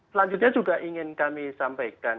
selanjutnya juga ingin kami sampaikan